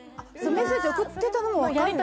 メッセージ送ってたのも分かるの？